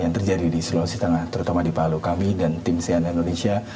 yang terjadi di sulawesi tengah terutama di palu kami dan tim cnn indonesia